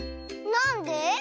なんで？